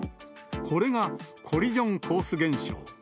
これがコリジョンコース現象。